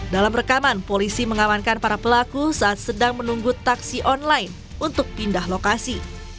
dalam rekaman polisi mengamankan para pelaku saat sedang menunggu taksi online untuk pindah lokasi